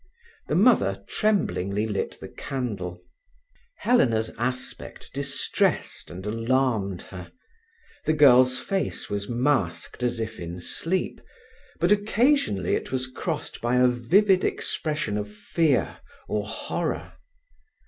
The mother tremblingly lit the candle. Helena's aspect distressed and alarmed her. The girl's face was masked as if in sleep, but occasionally it was crossed by a vivid expression of fear or horror.